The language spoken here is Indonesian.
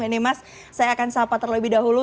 ini mas saya akan sahabat terlebih dahulu